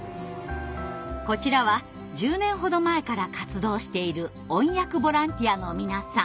こちらは１０年ほど前から活動している音訳ボランティアの皆さん。